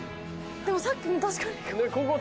でもさっきも確かにここ。